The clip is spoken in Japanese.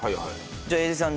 じゃあ英二さん